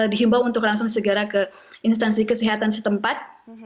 dihimbau untuk langsung segera ke instansi kesehatan setempat